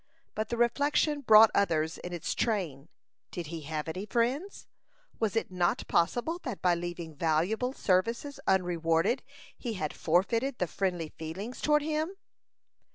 But the reflection brought others in its train: Did he have any friends? Was it not possible that by leaving valuable services unrewarded, he had forfeited the friendly feelings toward him?